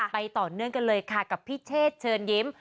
ต่อเนื่องกันเลยค่ะกับพี่เชษเชิญยิ้ม